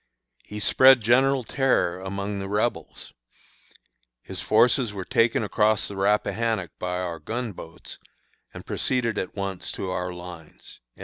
He spread general terror among the Rebels. His forces were taken across the Rappahannock by our gun boats, and proceeded at once to our lines."